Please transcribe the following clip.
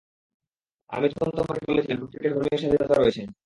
আমি তখন তোমাকে বলেছিলাম, প্রত্যেকের ধর্মীয় স্বাধীনতা রয়েছে।